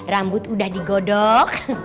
rambut udah digodok